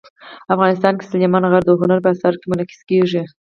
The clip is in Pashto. افغانستان کې سلیمان غر د هنر په اثارو کې منعکس کېږي.